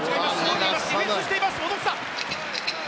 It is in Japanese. ディフェンスしています。